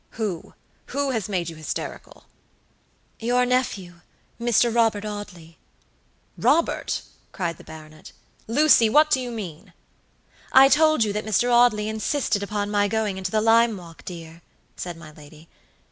"Whowho has made you hysterical?" "Your nephewMr. Robert Audley." "Robert," cried the baronet. "Lucy, what do you mean?" "I told you that Mr. Audley insisted upon my going into the lime walk, dear," said my lady.